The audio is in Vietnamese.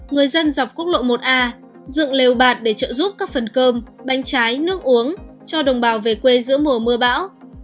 người dân dọc quốc lộ một a dựng lều bạt để trợ giúp các phần cơm bánh trái nước uống cho đồng bào về quê giữa mùa mưa bão